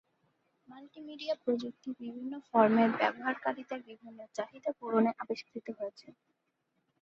Multimedia প্রযুক্তির বিভিন্ন format ব্যবহারকারীদের বিভিন্ন চাহিদা পূরণে আবিষ্কৃত হয়েছে।